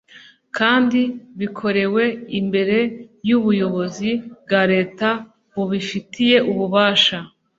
kandi rikorewe imbere y’ubuyobozi bwa Leta bubifitiye ububasha